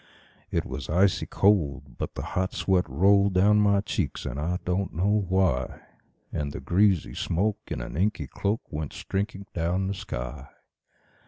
It was icy cold, but the hot sweat rolled down my cheeks, and I don't know why; And the greasy smoke in an inky cloak went streaking down the sky.